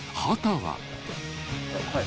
はい。